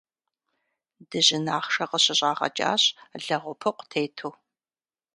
Дыжьын ахъшэ къыщыщӏагъэкӏащ лэгъупыкъу тету.